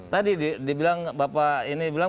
tadi bapak ini bilang